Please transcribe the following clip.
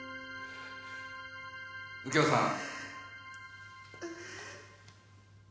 右京さん。